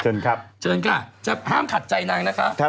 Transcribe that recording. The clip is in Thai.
เชิญครับเชิญค่ะจะห้ามขัดใจนางนะคะ